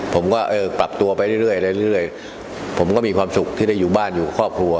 ผมก็เออปรับตัวไปเรื่อยเรื่อยเรื่อยเรื่อยผมก็มีความสุขที่ได้อยู่บ้านอยู่ครอบครัว